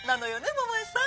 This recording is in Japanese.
桃恵さん。